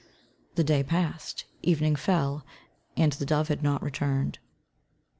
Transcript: The day passed, evening fell, and the dove had not returned.